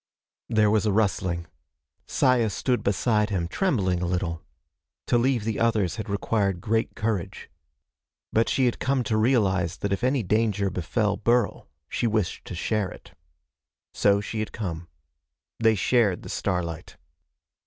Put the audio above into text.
There was a rustling. Saya stood beside him, trembling a little. To leave the others had required great courage. But she had come to realize that if any danger befell Burl she wished to share it. So she had come. They shared the starlight.